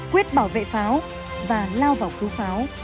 quyết bảo vệ pháo và lao vào cứu pháo